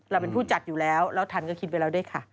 เราเป็นผู้จัดอยู่แล้วแล้วทันก็คิดไว้แล้วด้วยค่ะ